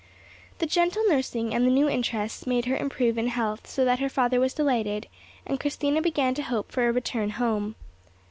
—Page 37] The gentle nursing and the new interests made her improve in health, so that her father was delighted, and Christina began to hope for a return home.